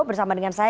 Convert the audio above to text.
bersama dengan saya